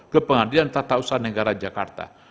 ke pengadilan tata usaha negara jakarta